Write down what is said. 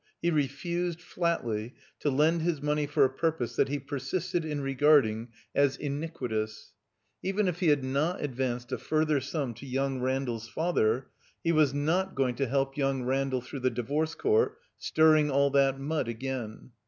He refused, flatly, to lend his money for a purpose that he per sisted in regarding as iniquitous. Even if he had 308 THE COMBINED MAZE not advanced a further stun to young Randall's father, he was not going to help young Randall through the Divorce Court, stirring all that mud again.